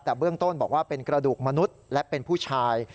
แต่เบื้องต้นบอกว่าเป็นกระดูกมนุษย์และเป็นผู้ชาย